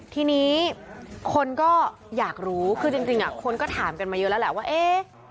ทีนี้คนก็อยากรู้คือจริงคนก็ถามกันมาเยอะแล้วแหละว่าเอ๊ะ